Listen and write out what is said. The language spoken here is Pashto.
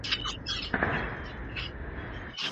مارکوپولو د کوم هېواد و؟